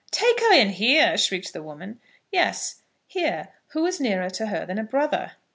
"Take her in here?" shrieked the woman. "Yes; here. Who is nearer to her than a brother?"